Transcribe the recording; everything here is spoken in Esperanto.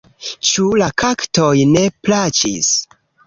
Ĉu la kaktoj ne plaĉis?